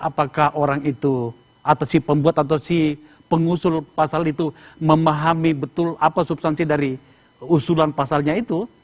apakah orang itu atau si pembuat atau si pengusul pasal itu memahami betul apa substansi dari usulan pasalnya itu